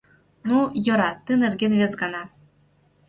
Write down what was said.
Ну, йӧра — ты нерген вес гана...